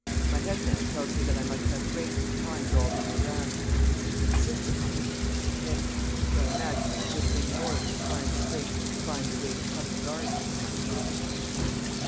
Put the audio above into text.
My head man tells me that I must have grapes and pines all the year round: and since he insists upon it, I submit. But I imagine that a good many more of his pines and grapes find their way to Covent Garden than to my table."